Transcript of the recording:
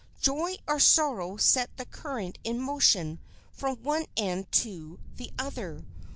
Joy or sorrow set the current in motion from one end to the other.